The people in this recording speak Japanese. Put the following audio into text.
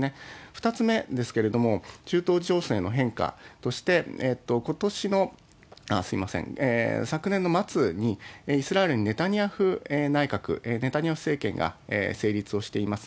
２つ目ですけれども、中東情勢の変化として、昨年の末に、イスラエルにネタニヤフ内閣、ネタニヤフ政権が成立をしています。